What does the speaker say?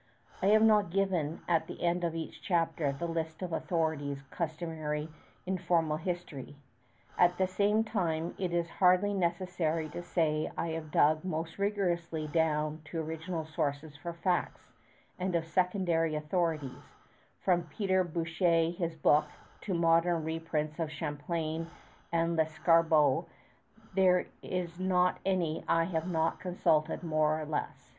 I have not given at the end of each chapter the list of authorities customary in formal history. At the same time it is hardly necessary to say I have dug most rigorously down to original sources for facts; and of secondary authorities, from Pierre Boucher, his Book, to modern reprints of Champlain and L'Escarbot, there are not any I have not consulted more or less.